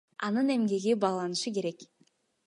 Анын эмгеги бааланышы керек.